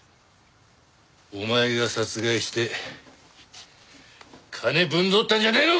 お前が殺害して金ぶん取ったんじゃねえのか！？